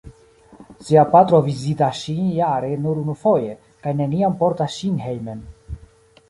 Sia patro vizitas ŝin jare nur unufoje, kaj neniam portas ŝin hejmen.